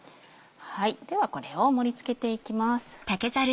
ではこれを盛り付けていきます。